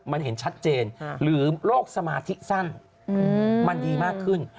มันเห็นชัดเจนหรือโรคสมาธิสั้นมันดีมากขึ้น